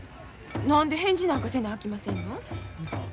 何で返事なんかせなあきませんのん？